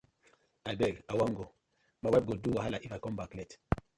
Abeg I wan go, my wife go do wahala If com back late.